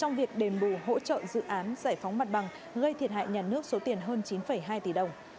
trong việc đền bù hỗ trợ dự án giải phóng mặt bằng gây thiệt hại nhà nước số tiền hơn chín hai tỷ đồng